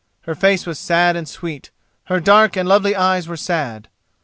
Her face was sad and sweet, her dark and lovely eyes were sad.